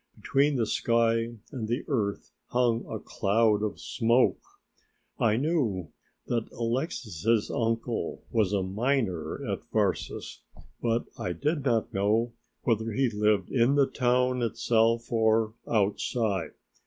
Between the sky and the earth hung a cloud of smoke. I knew that Alexix's uncle was a miner at Varses, but I did not know whether he lived in the town itself or outside.